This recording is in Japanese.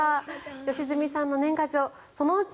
良純さんの年賀状そのうち